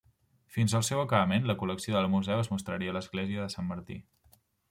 Fins al seu acabament, la col·lecció del museu es mostraria a l'església de Sant Martí.